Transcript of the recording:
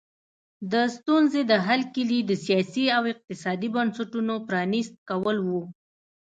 د ستونزې د حل کیلي د سیاسي او اقتصادي بنسټونو پرانیست کول وو.